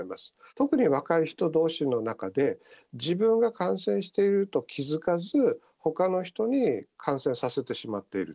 特に若い人どうしの中で、自分が感染していると気付かず、ほかの人に感染させてしまっている。